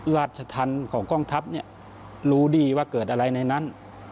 ราชธรรมของกองทัพรู้ดีว่าเกิดอะไรในนั้น